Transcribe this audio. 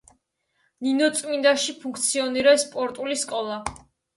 ნინოწმინდაში ფუნქციონირებს სპორტული სკოლა.